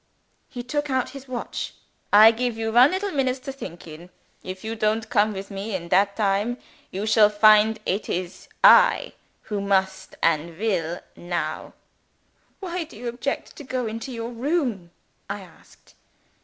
He took out his watch. "I give you one little minutes, to think in. If you don't come with me in that time, you shall find it is I who must and weel. Now!" "Why do you object to go into your room?" I asked.